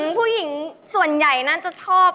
กลับไปก่อนเลยนะครับ